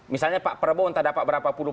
misalnya pak prabowo entah dapat berapa puluh